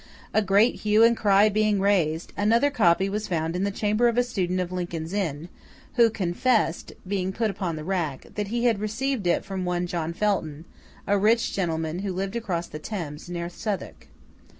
A great hue and cry being raised, another copy was found in the chamber of a student of Lincoln's Inn, who confessed, being put upon the rack, that he had received it from one John Felton, a rich gentleman who lived across the Thames, near Southwark.